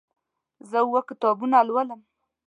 زه اوه کتابونه لولم.